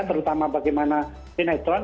terutama bagaimana sinetron